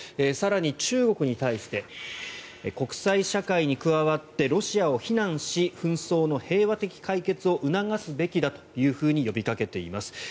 更に、中国に対して国際社会に加わってロシアを非難し紛争の平和的解決を促すべきだと呼びかけています。